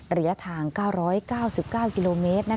เหลือทาง๙๙๙กิโลเมตรนะคะ